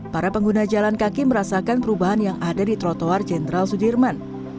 para pengguna jalan kaki merasakan perubahan yang ada di trotoar jenderal sudirman